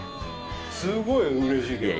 すごいうれしいけど。